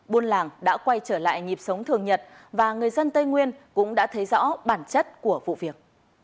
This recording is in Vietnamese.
buôn làng đã quay trở lại nhịp sống thường nhật và người dân tây nguyên cũng đã thấy rõ bản chất của vụ việc